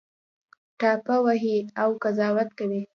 ټاپه وهي او قضاوت کوي